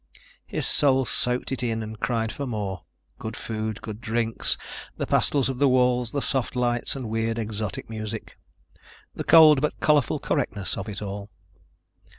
His soul soaked it in and cried for more. Good food, good drinks, the pastels of the walls, the soft lights and weird, exotic music. The cold but colorful correctness of it all.